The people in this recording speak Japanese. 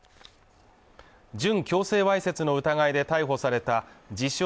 準強制わいせつの疑いで逮捕された自称